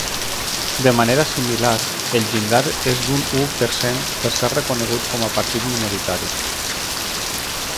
De manera similar, el llindar és d'un u per cent per ser reconegut com a partit minoritari.